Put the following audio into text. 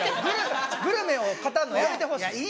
グルメをかたるのやめてほしい。